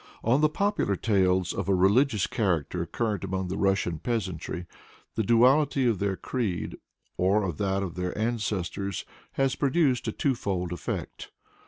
On the popular tales of a religious character current among the Russian peasantry, the duality of their creed, or of that of their ancestors, has produced a twofold effect.